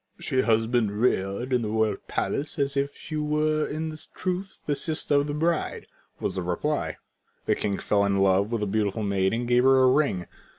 "She has been reared in the royal palace as if she were in truth the sister of the bride," was the reply. The king fell in love with the beautiful maid and gave her a ring.